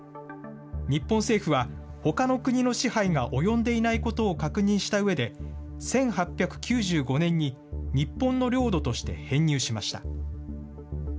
日本政府は、ほかの国の支配が及んでいないことを確認したうえで、１８９５年に日本の領土として編入しました。